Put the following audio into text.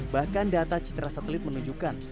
bahkan data citra satelit menunjukkan